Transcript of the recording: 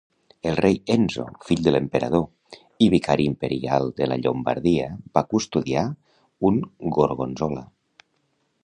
El rei Enzo, fill de l'emperador i vicari imperial de la Llombardia va custodiar un Gorgonzola.